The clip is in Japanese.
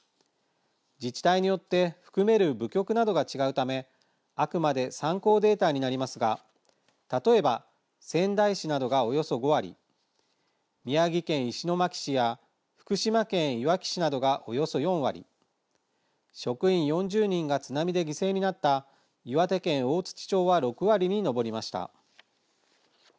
自治体によって含める部局などが違うためあくまで参考データになりますが例えば仙台市などがおよそ５割宮城県石巻市や福島県いわき市などがおよそ４割職員４０人が津波で犠牲になった岩手県大槌町は６割に上りました。